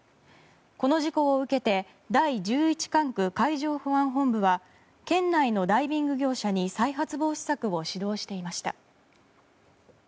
この事故を受けて第１１管区海上保安本部は県内のダイビング業者に再発防止策を指導していました。